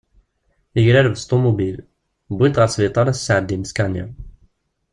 Yegrareb s tumubil, wint ɣer sbiṭar ad as-sɛeddin askaniṛ.